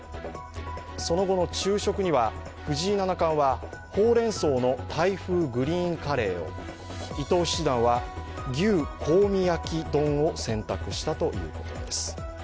その後の昼食には藤井七冠はほうれん草のタイ風グリーンカレーを、伊藤七段は牛香味焼丼を選択したということです。